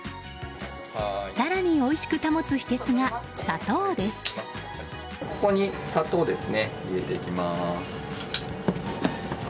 更においしく保つ秘訣が砂糖です。